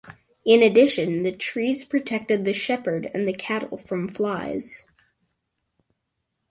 In addition, the trees protected the shepherd and the cattle from flies.